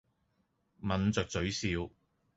抿着嘴笑。